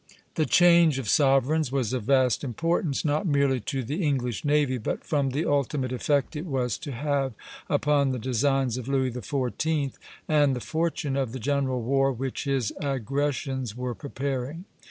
The change of sovereigns was of vast importance, not merely to the English navy, but from the ultimate effect it was to have upon the designs of Louis XIV. and the fortune of the general war which his aggressions were preparing.